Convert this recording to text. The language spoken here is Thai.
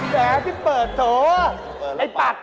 ให้เปิดแหละพี่เปิดถูกอ่ะไอ้ปัศน์